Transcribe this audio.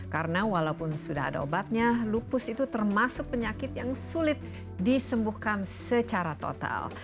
karena walaupun sudah ada obatnya lupus itu termasuk penyakit yang sulit disembuhkan secara total